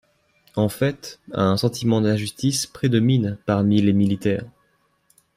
En fait, un sentiment d’injustice prédomine parmi les militaires.